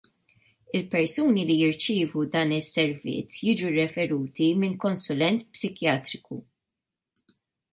Il-persuni li jirċievu dan is-servizz jiġu riferuti min konsulent psikjatriku.